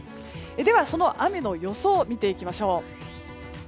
では、その雨の予想を見ていきましょう。